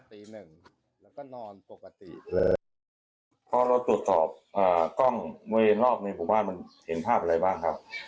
พอเราตรวจสอบอ่ากล้องเวรออกในหมู่บ้านมันเห็นภาพอะไรบ้างครับ